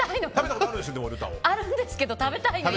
あるんですけど食べたいの！